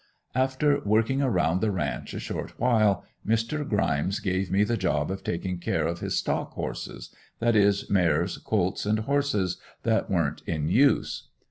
After working around the ranch a short while Mr. Grimes gave me the job of taking care of his "stock horses," that is mares, colts and horses that wern't in use.